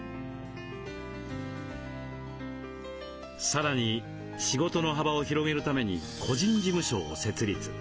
さらに仕事の幅を広げるために個人事務所を設立。